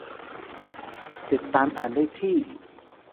- ติดตามอ่านได้ที่